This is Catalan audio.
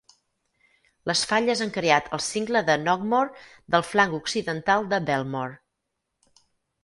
Les falles han creat el cingle de Knockmore del flanc occidental de Belmore.